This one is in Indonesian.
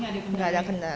jadi gak ada kendala